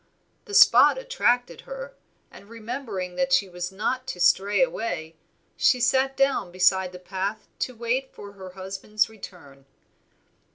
The spot attracted her, and remembering that she was not to stray away, she sat down beside the path to wait for her husband's return.